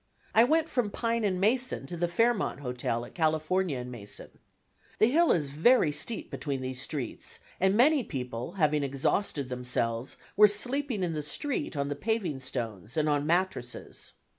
I went from Pine and Mason to the Fairmont Hotel at California and Mason. The hill is very steep between these streets, and many people, having exhausted themselves, were sleeping in the street on the paving stones and on mattresses.